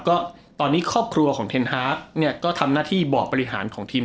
ก็ตอนนี้ครอบครัวของเทนฮาร์กเนี่ยก็ทำหน้าที่บอกบริหารของทีม